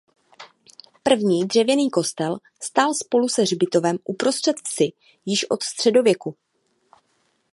První dřevěný kostel stál spolu se hřbitovem uprostřed vsi již od středověku.